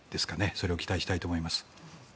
それを期待したいと思います。